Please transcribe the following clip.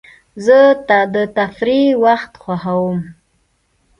زه د تفریح وخت خوښوم.